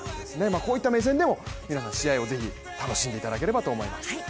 こういった目線でも皆さん試合をぜひ楽しんでいただければと思います。